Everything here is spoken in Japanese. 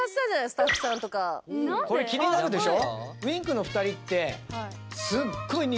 スタッフさんとかこれ気になるでしょ